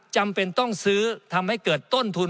จำเป็นต้องซื้อทำให้เกิดต้นทุน